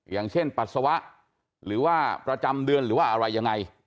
อย่างเช่นปัสสาวะหรือว่าประจำเดือนหรือว่าอะไรยังไง